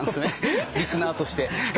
リスナーとして。